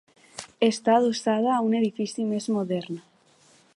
Està adossada a un edifici més modern.